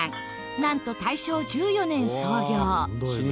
なんと大正１４年創業。